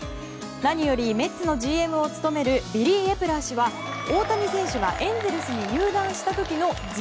何よりメッツのＧＭを務めるビリー・エプラー氏は大谷選手がエンゼルスに入団した時のＧＭ。